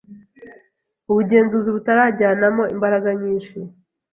ubugenzuzi butarajyanamo imbaraga nyinshi,